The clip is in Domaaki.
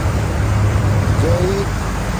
جائئ